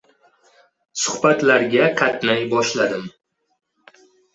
Suhbatlarga qatnay boshladim